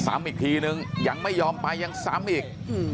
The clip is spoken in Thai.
สามอีกทีหนึ่งยังไม่ยอมไปยังสามอีก